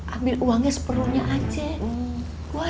ambil uangnya seperuhnya aja